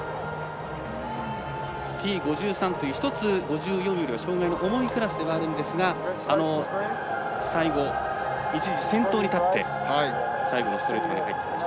Ｔ５３という１つ、５４よりは障がいが重いクラスではあるんですが最後、一時、先頭に立って最後のストレートに入ってきました。